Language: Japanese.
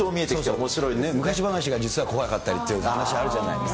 昔話が実は怖かったりっていうのあるじゃない。